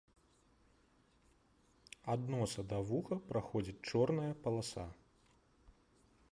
Ад носа да да вуха праходзіць чорная паласа.